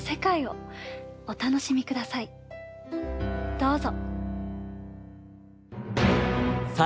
どうぞ。